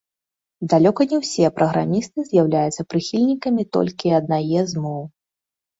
Далёка не ўсе праграмісты з'яўляюцца прыхільнікамі толькі аднае з моў.